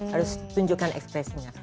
harus tunjukkan ekspresinya